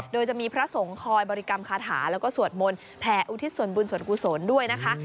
โดยจะมีพระสงฆ์คอยบริกรรมคาถาแล้วก็สวดมนต์แผ่อุทิศส่วนบุญส่วนกุศลด้วยนะคะ